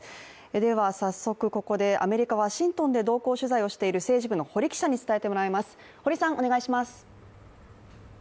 では早速ここでアメリカ・ワシントンで同行取材している政治部の堀記者に伝えてもらいます。